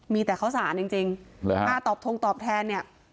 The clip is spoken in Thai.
มีแต่เขาศาสน์จริงจริงหรือฮะอ้าตอบทงตอบแทนเนี้ย